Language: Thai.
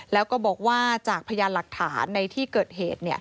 แล้วก็บอกว่าจากพยานหลักฐานในที่เกิดเหตุ